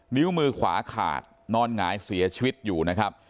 นิ้วมือขวาขาดนอนหงายเสียชีวิตอยู่นะครับ